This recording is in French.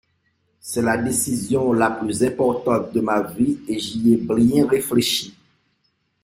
C’est la décision la plus importante de ma vie et j’y ai bien réfléchi.